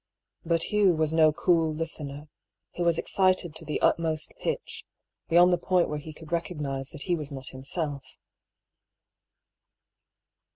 But Hugh was no cool listener; he was excited to the utmost pitch, beyond the point where he could rec ognise that he was not himself.